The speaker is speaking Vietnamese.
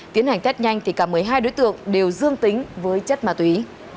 tiến hành test nhanh thì cả một mươi hai đối tượng đều dương tính với chất ma túy